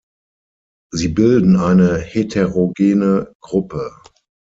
Sie bilden eine heterogene Gruppe.